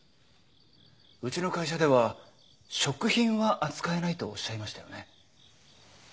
うちの会社では食品は扱えないとおっしゃいましたよね？